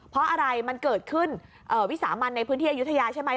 เพราะอะไรมันเกิดขึ้นวิสามันในพื้นที่อายุทยาใช่ไหม